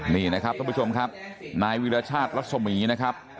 นี่นะครับท่านผู้ชมครับนายวิรชาติรัศมีนะครับ